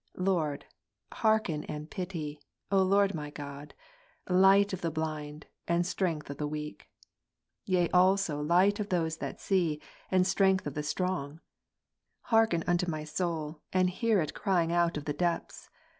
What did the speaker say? Lord, hearken and pity, O Lord my God, Light of the blind, and Strength of the weak ; yea also Light of those that see, and Strength of the strong ; hearken unto my soul, and hear it crying out of the depths.